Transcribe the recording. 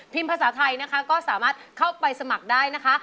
ภาษาไทยนะคะก็สามารถเข้าไปสมัครได้นะคะ